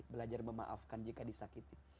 belajar memaafkan jika disakiti